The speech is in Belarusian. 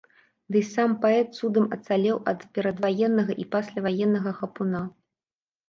Дый сам паэт цудам ацалеў ад перадваеннага й пасляваеннага хапуна.